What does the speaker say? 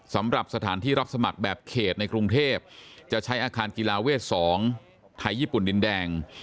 สำหรับสถานที่รับสมัครแบบเขตในกรุงเทพจะใช้อาคารกีฬาเวท๒ไทยญี่ปุ่นดินแดง